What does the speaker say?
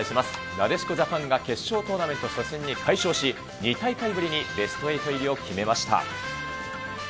なでしこジャパンが決勝トーナメント初戦に快勝し、２大会ぶりにベスト８入りを決めました。